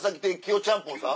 ちゃんぽんさん。